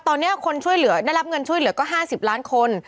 ตอนนี้คนช่วยเหลือได้รับเงินช่วยเหลือก็๕๐ล้านคน